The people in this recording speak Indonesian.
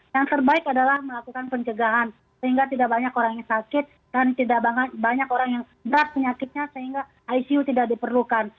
yang terbaik adalah melakukan pencegahan sehingga tidak banyak orang yang sakit dan tidak banyak orang yang berat penyakitnya sehingga icu tidak diperlukan